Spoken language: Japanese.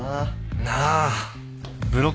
なあ。